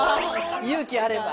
勇気あれば。